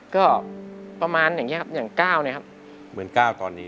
ก็ประมาณอย่างนี้ครับอย่าง๙เนี่ยครับเหมือน๙ตอนนี้